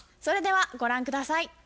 それではご覧下さい。